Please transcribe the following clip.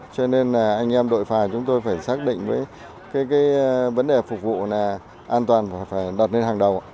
cho nên anh em đội phà chúng tôi phải xác định với vấn đề phục vụ an toàn phải đọt lên hàng đầu